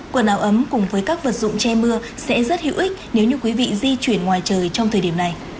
quần áo ấm cùng với các vật dụng che mưa sẽ rất hữu ích nếu như quý vị di chuyển ngoài trời trong thời điểm này